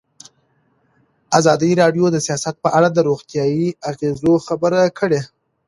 ازادي راډیو د سیاست په اړه د روغتیایي اغېزو خبره کړې.